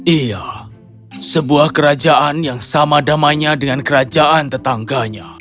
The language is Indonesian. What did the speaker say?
iya sebuah kerajaan yang sama damainya dengan kerajaan tetangganya